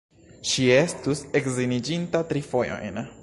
Ŝi estus edziniĝinta tri fojojn.